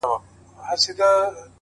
o او په تصوير كي مي،